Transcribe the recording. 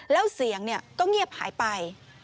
แล้วเสียงก็เงียบหายไป